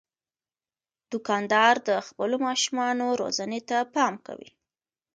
دوکاندار د خپلو ماشومانو روزنې ته پام کوي.